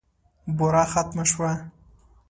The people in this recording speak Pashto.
بوره ختمه شوه .